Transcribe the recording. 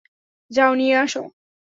যাও নিয়ে আসো।